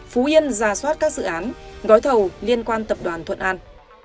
phú yên ra soát các dự án gói thầu liên quan tập đoàn thuận an